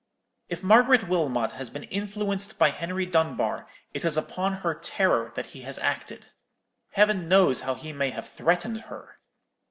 If Margaret Wilmot has been influenced by Henry Dunbar, it is upon her terror that he has acted. Heaven knows how he may have threatened her!